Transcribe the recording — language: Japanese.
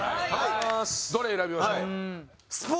どれ選びましょう。